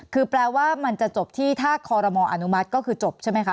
คือแปลว่ามันจะจบที่ถ้าคอรมออนุมัติก็คือจบใช่ไหมคะ